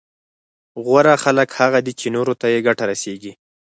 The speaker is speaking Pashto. غوره خلک هغه دي چي نورو ته يې ګټه رسېږي